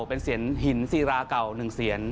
เป็นเศียรหินซีราเก่าหนึ่งเศียร